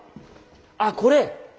あっこれ？